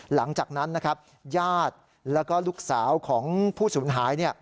หลังจากนั้นนะครับญาติแล้วก็ลูกสาวของผู้สูญหาย